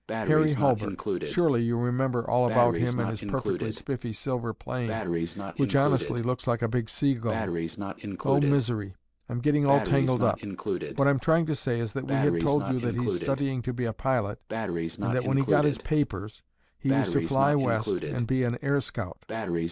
Harry Hulbert, surely you remember all about him and his perfectly spiffy silver plane, which honestly looks like a big seagull. Oh, misery! I'm getting all tangled up. What I'm trying to say is that we had told you that he's studying to be a pilot and that when he got his papers, he was to fly West and be an air scout.